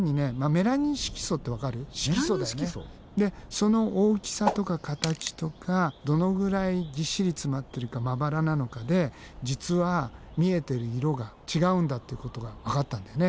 メラニン色素？でその大きさとか形とかどのぐらいぎっしり詰まってるかまばらなのかで実は見えてる色が違うんだってことがわかったんだよね。